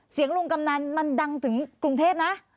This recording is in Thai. ลุงกำนันมันดังถึงกรุงเทพนะ